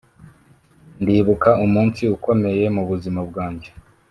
ndibuka umunsi ukomeye mubuzima bwange